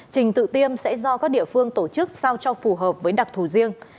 trình tự tiêm sẽ do các địa phương tổ chức sao cho phù hợp với đặc thù riêng